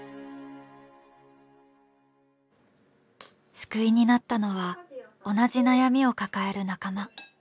救いになったのは同じ悩みを抱える仲間。